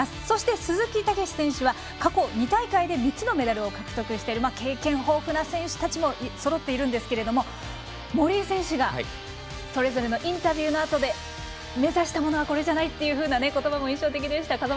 そして鈴木猛史選手は過去２大会で３つのメダルを獲得している経験豊富な選手たちもそろっているんですけど森井選手がそれぞれのインタビューのあとで目指したものはこれじゃないということばも印象的でした。